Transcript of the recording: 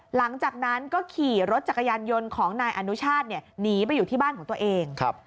หลังจากนั้นก็ขี่รถจักรยานยนต์ของนายอนุชาติหนีไปอยู่ที่บ้านของตัวเอง